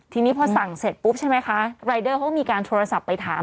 ทีนี้พอสั่งเสร็จปุ๊บใช่ไหมคะรายเดอร์เขาก็มีการโทรศัพท์ไปถาม